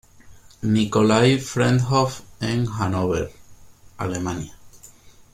Nikolai-Friedhof en Hannover, Alemania.